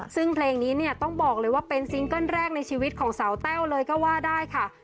ซึ่งเพลงนี้เนี่ยต้องบอกเลยว่าเป็นซิงเกิ้ลแรกในชีวิตของสาวแต้วเลยก็ว่าได้ค่ะ